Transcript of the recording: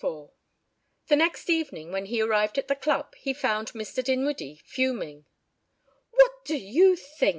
IV The next evening when he arrived at the club he found Mr. Dinwiddie fuming. "What do you think!"